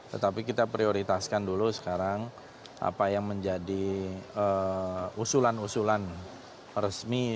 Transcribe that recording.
tetapi kita prioritaskan dulu sekarang apa yang menjadi usulan usulan resmi